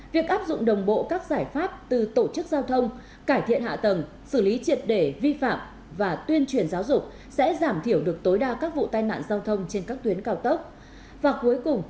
việc áp dụng đồng bộ các giải pháp từ tổ chức giao thông cải thiện hạ tầng xử lý triệt để vi phạm và tuyên truyền giáo dục sẽ giảm thiểu được tối đa các vụ tai nạn giao thông trên các tuyến cao tốc